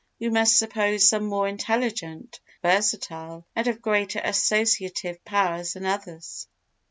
We must suppose some more intelligent, versatile and of greater associative power than others.